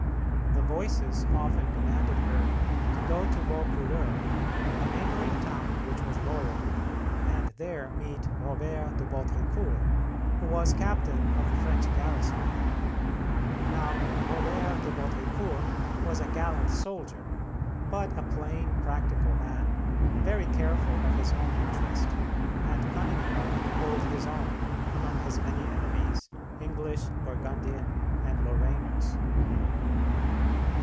The Voices often commanded her to go to Vaucouleurs, a neighboring town which was loyal, and there meet Robert de Baudricourt, who was captain of the French garrison. Now, Robert de Baudricourt was a gallant soldier, but a plain practical man, very careful of his own interest, and cunning enough to hold his own among his many enemies, English, Burgundian, and Lorrainers.